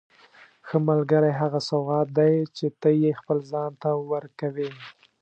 ښه ملګری هغه سوغات دی چې ته یې خپل ځان ته ورکوې.